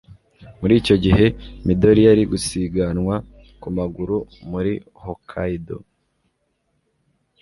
Muri icyo gihe Midori yari gusiganwa ku maguru muri Hokkaido